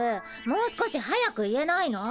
もう少し速く言えないの？